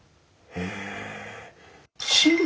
へえ。